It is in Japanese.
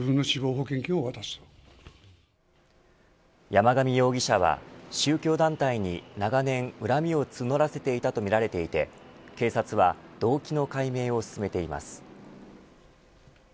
山上容疑者は、宗教団体に長年、恨みを募らせていたとみられていて警察は動機の解明を進めています。